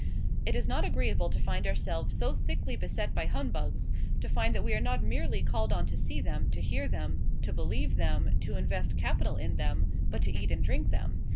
It is not agreeable to find ourselves so thickly beset by humbugs; to find that we are not merely called on to see them, to hear them, to believe them, to invest capital in them, but to eat and drink them.